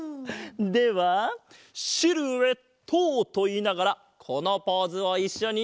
では「シルエット」といいながらこのポーズをいっしょに。